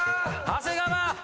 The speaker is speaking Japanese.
長谷川！